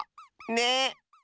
ねえ！